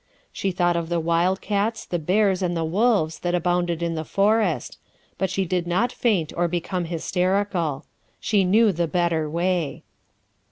She thought of the wildcats, the bears and the wolves that abounded in the forest, but she did not faint or become hysterical. She knew the better way.